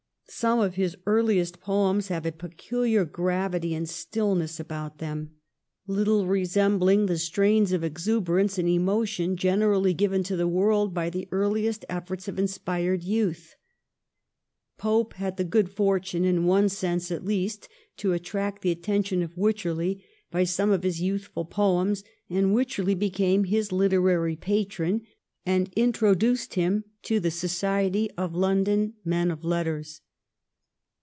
Some of his earhest poems have a peculiar gravity and stillness about them 236 THE REIGN OF QUEEN ANNE. ch. xxlii. little resembling the strains of exuberance and emotion generally given to the world by the earliest efforts of inspired youth. Pope had the good fortune, in one sense at least, to attract the atten tion of Wycherley by some of his youthful poems, and Wycherley became his literary patron, and introduced him to the society of London men of letters.